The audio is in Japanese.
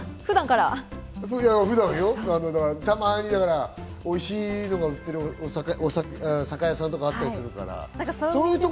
普段、おいしいのが売ってる酒屋さんとかがあったりするから。